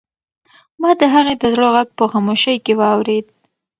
ما د هغې د زړه غږ په خاموشۍ کې واورېد.